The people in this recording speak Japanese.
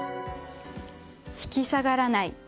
引き下がらない！